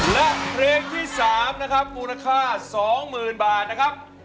และเพลงที่๓นะครับมูลค่า๒๐๐๐บาทนะครับ